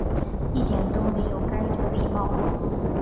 一点都没有该有的礼貌